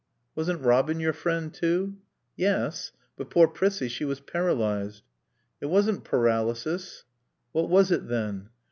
"Wasn't Robin your friend, too?" "Yes. But poor Prissie, she was paralyzed." "It wasn't paralysis." "What was it then?"